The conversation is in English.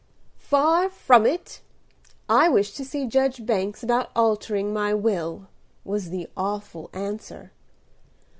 "Far from it. I wish to see Judge Banks about altering my will," was the awful answer.